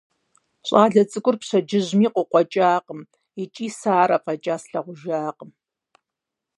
ЩӀалэ цӀыкӀур пщэдджыжьми къыкъуэкӀакъым икӀи сэ ар афӀэкӀа слъагъужакъым.